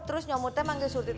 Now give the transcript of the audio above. terus nyamutnya manggil surti